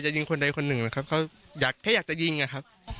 ยิงคนใดคนหนึ่งนะครับเขาอยากแค่อยากจะยิงอะครับ